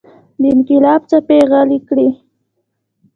د انقلاب څپې غلې کړي.